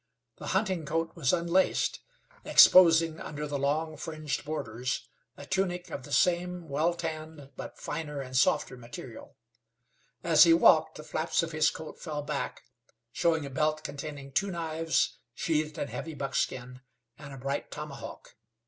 The hunting coat was unlaced, exposing, under the long, fringed borders, a tunic of the same well tanned, but finer and softer, material. As he walked, the flaps of his coat fell back, showing a belt containing two knives, sheathed in heavy buckskin, and a bright tomahawk.